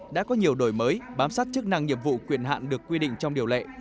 đã có nhiều đổi mới bám sát chức năng nhiệm vụ quyền hạn được quy định trong điều lệ